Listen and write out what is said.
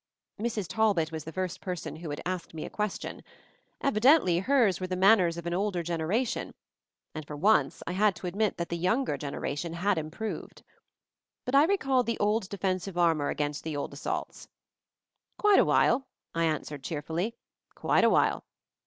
Mrs. Talbot was the first person who had asked me a question. Evidently hers were the manners of an older generation, and for once I had to admit that the younger gen eration had improved. But I recalled the old defensive armor against the old assaults. Quite a while," I answered cheerfully, Quite a while.